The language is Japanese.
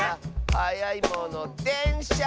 「はやいものでんしゃ！」